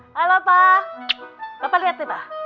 halo pak bapak lihat deh pak